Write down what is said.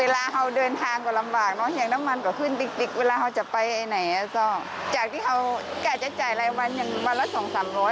แล้วถ้าค่าไฟขึ้นเห็น